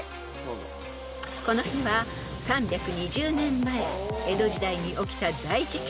［この日は３２０年前江戸時代に起きた大事件］